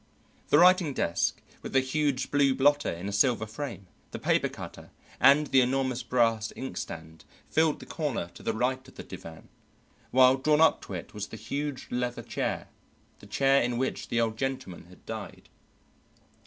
The writing desk with the huge blue blotter in a silver frame, the paper cutter, and the enormous brass inkstand filled the corner to the right of the divan, while drawn up to it was the huge leather chair, the chair in which the Old Gentleman had died.